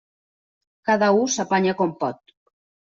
Cada u s'apanya com pot.